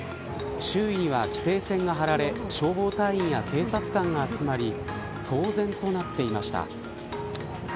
周囲には規制線が張られ消防隊員や警察官が集まり騒然となっていました。